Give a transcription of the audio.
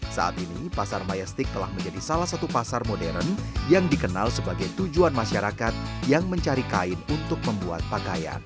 saat ini pasar mayastik telah menjadi salah satu pasar modern yang dikenal sebagai tujuan masyarakat yang mencari kain untuk membuat pakaian